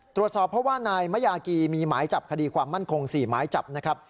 ตรวจสอบเพราะว่านายมะยากีมีหมายจับคดีความมั่นคง๔หมายจับนะครับ